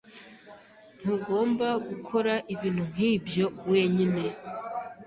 Ntugomba gukora ibintu nkibyo wenyine.